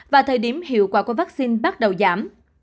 và thời điểm hiệu quả của vaccine bắt đầu giảm